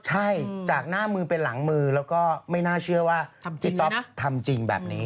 ใช่จากหน้ามือไปหลังมือแล้วก็ไม่น่าเชื่อว่าเจ๊ต๊อปทำจริงแบบนี้